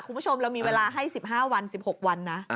คุณผู้ชมเรามีเวลาให้๑๕วัน๑๖วันนะ